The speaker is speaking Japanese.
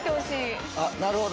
なるほど。